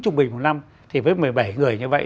trung bình một năm thì với một mươi bảy người như vậy